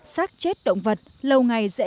rác chết động vật lâu ngày dễ